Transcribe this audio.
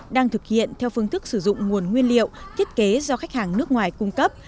đang thực hiện theo phương thức sử dụng nguồn nguyên liệu thiết kế do khách hàng nước ngoài cung cấp